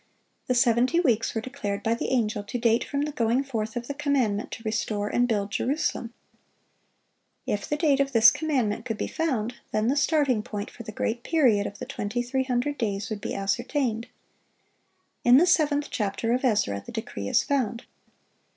The seventy weeks were declared by the angel to date from the going forth of the commandment to restore and build Jerusalem. If the date of this commandment could be found, then the starting point for the great period of the 2300 days would be ascertained. In the seventh chapter of Ezra the decree is found.